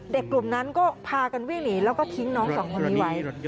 กลุ่มนั้นก็พากันวิ่งหนีแล้วก็ทิ้งน้องสองคนนี้ไว้